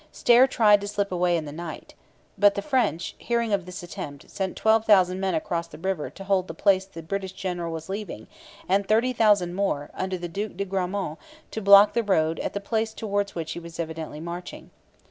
Stair tried to slip away in the night. But the French, hearing of this attempt, sent 12,000 men across the river to hold the place the British general was leaving, and 30,000 more, under the Duc de Gramont, to block the road at the place towards which he was evidently marching.